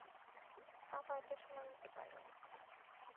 পাপা এতো সময় নিতে পারবে না।